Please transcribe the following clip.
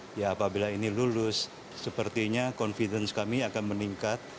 ya apabila ini lulus sepertinya confidence kami akan meningkat